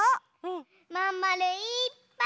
まんまるいっぱい！